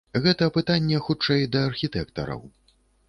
Гэта пытанне хутчэй да архітэктараў.